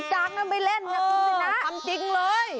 ก็จริงจังไม่เล่นขนาดมือนะคล้ำจริงเลย